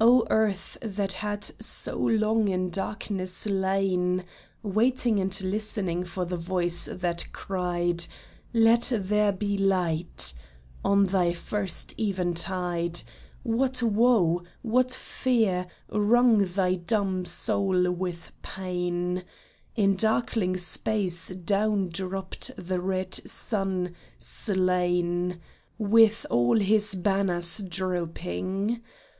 O Earth, that had so long in darkness lain, Waiting and listening for the Voice that cried, " Let there be light !"— on thy first eventide What woe, what fear, wrung thy dumb soul with pain ! In darkling space down dropt the red sun, slain, With all his banners drooping.